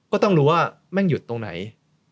ก็ต้องรู้ว่าแม่งหยุดตรงไหน